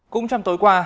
cũng trong tối qua